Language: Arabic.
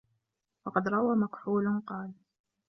وَقَدْ رَوَى مَكْحُولٌ قَالَ